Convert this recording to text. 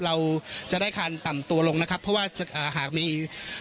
เราจะได้คันต่ำตัวลงนะครับเพราะว่าอ่าหากมี